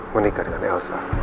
menikah dengan elsa